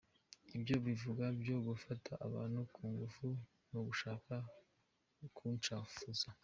Ivyo bivugwa vyo gufata abantu ku nguvu n'ugushaka kuncafuza.